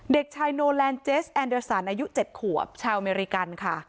เด็กชายโนแลนดเจสแอนเดอร์สันอายุ๗ขวบชาวอเมริกันค่ะ